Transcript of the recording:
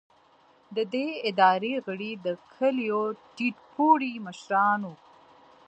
د دې ادارې غړي د کلیو ټیټ پوړي مشران وو.